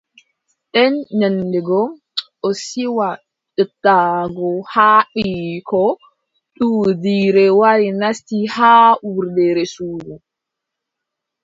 Nden nyande go, o siwa yottaago haa ɓiiyiiko, duujiire wari nasti haa wurdere suudu.